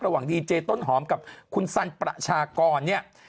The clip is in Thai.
ระหว่างดีเจย์ต้นหอมกับคุณซัลประชากร